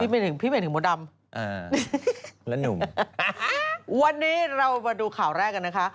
พี่เหมือนถึงพี่เหมือนถึงมัวดำเออแล้วหนุ่มวันนี้เรามาดูข่าวแรกกันนะคะ